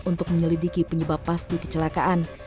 untuk menyelidiki penyebab pasti kecelakaan